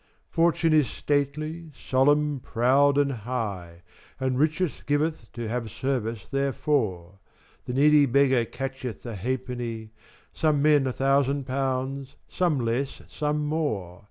Fortune is stately, solemn, proud, and high, And riches giv'th to have service therefore. The needy beggar catch'th an halfpenny, Some man a thousand pounds, some less, some more.